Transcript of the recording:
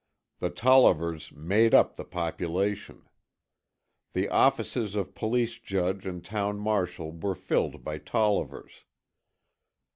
The Tollivers made up the population. The offices of police judge and town marshal were filled by Tollivers.